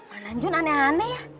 mana jun aneh aneh ya